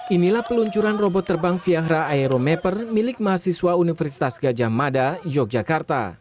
inilah peluncuran robot terbang viahra aeromaper milik mahasiswa universitas gajah mada yogyakarta